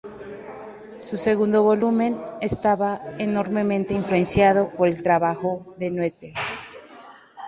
Su segundo volumen está enormemente influenciado por el trabajo de Noether.